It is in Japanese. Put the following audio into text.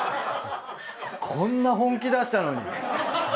こんな本気出したのに。